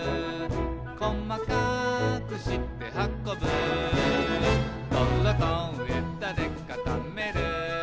「こまかくしてはこぶ」「どろとえだでかためる」